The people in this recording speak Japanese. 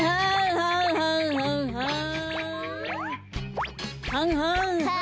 はんはんはんはん。